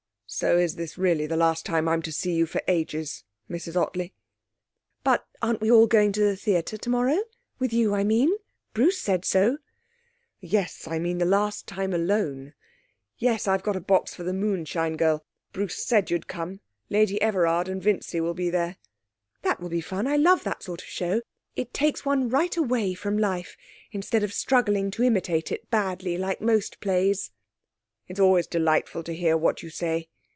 'So this is really the last time I'm to see you for ages, Mrs Ottley?' 'But aren't we all going to the theatre tomorrow? With you, I mean? Bruce said so.' 'Oh yes. I mean the last time alone. Yes, I've got a box for The Moonshine Girl. Bruce said you'd come. Lady Everard and Vincy will be there.' 'That will be fun I love that sort of show. It takes one right away from life instead of struggling to imitate it badly like most plays.' 'It's always delightful to hear what you say.